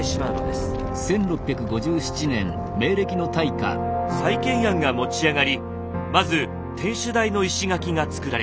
再建案が持ち上がりまず天守台の石垣が造られました。